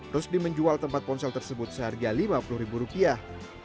rusdi menjual tempat ponsel tersebut seharga lima puluh ribu rupiah